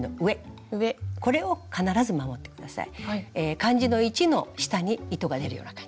漢字の「一」の下に糸が出るような感じ。